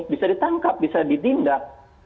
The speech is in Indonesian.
bisa ditangkap bisa ditindak